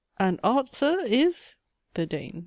And art, Sir! is ? THE DANE.